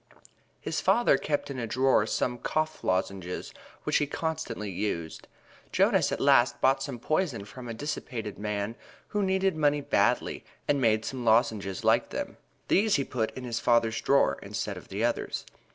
His father kept in a drawer some cough lozenges which he constantly used. Jonas at last bought some poison from a dissipated man who needed money badly, and made some lozenges like them. These he put in his father's drawer instead of the others.